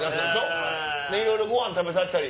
いろいろごはん食べさせたり。